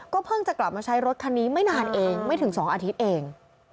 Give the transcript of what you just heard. เพิ่งจะกลับมาใช้รถคันนี้ไม่นานเองไม่ถึง๒อาทิตย์เอง